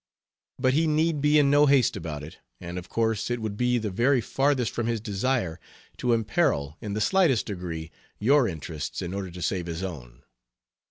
But he need be in no haste about it, and of course, it would be the very farthest from his desire to imperil, in the slightest degree, your interests in order to save his own.